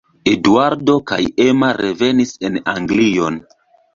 Eduardo kaj Emma revenis en Anglion.